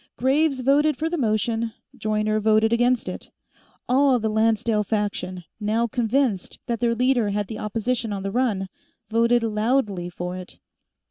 Graves voted for the motion. Joyner voted against it. All the Lancedale faction, now convinced that their leader had the opposition on the run, voted loudly for it.